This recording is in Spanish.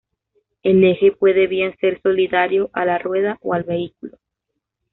El eje puede bien ser solidario a la rueda o al vehículo.